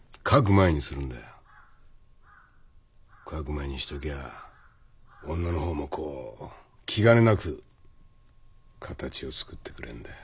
描く前にしときゃ女の方もこう気兼ねなく形を作ってくれんだよ。